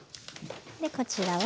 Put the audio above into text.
でこちらを。